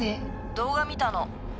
動画見たの。